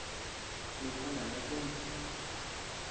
Nikua naka tumi.